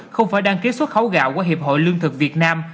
không phải đăng ký xuất khẩu gạo qua hiệp hội lương thực việt nam